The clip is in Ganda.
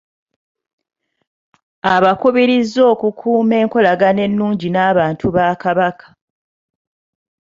Abakubirizza okukuuma enkolagana ennungi n’abantu ba Kabaka.